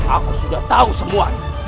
aku sudah tahu semua